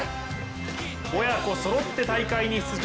親子そろって大会に出場